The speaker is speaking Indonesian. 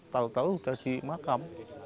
tahu tahu sudah di makam